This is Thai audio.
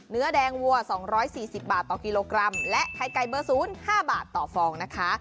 เนื้อแดงวัว๒๔๐บาทต่อกิโลกรัมและไข่ไก่เบอร์๐๕บาทต่อฟองนะคะ